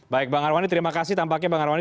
baik bang arwani terima kasih tampaknya bang arwani